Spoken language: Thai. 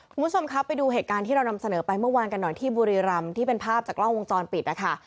คุณผู้ชมครับไปดูเหตุการณ์ที่เรานำเสนอไปเมื่อวานกันหน่อยที่บุรีรำที่เป็นภาพจากกล้องวงจรปิดนะคะ